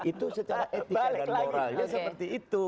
itu secara etika dan moralnya seperti itu